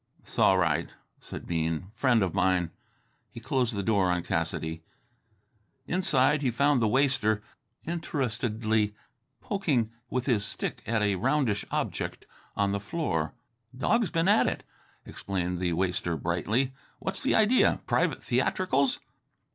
"'S all right," said Bean. "Friend of mine." He closed the door on Cassidy. Inside, he found the waster interestedly poking with his stick at a roundish object on the floor. "Dog's been at it," explained the waster brightly. "What's the idea? Private theatricals?"